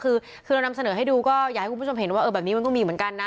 คือเรานำเสนอให้ดูก็อยากให้คุณผู้ชมเห็นว่าแบบนี้มันก็มีเหมือนกันนะ